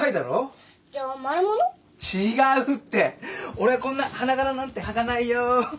俺はこんな花柄なんて履かないよ。